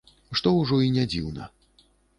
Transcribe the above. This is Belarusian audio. Што ўжо і не дзіўна.